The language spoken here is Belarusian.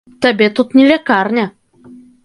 Табе тут не лякарня.